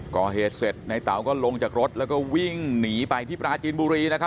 ก่อเหตุเสร็จในเต๋าก็ลงจากรถแล้วก็วิ่งหนีไปที่ปราจีนบุรีนะครับ